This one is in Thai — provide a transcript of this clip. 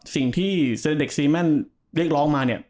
สิ่งที่เซเด็กซีแมนเรียกร้องมาเนี่ย